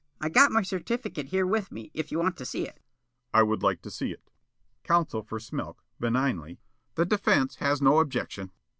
I got my certificate here with me, if you want to see it." The State: "I would like to see it." Counsel for Smilk, benignly: "The defense has no objection."